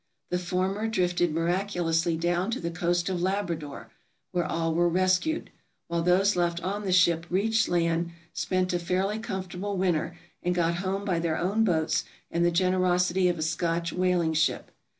The former drifted miraculously down to the coast of Labrador, where all were rescued; while those left on the ship reached land, spent a fairly comfortable winter, and got home by their own boats and the generosity of a Scotch whaling ship.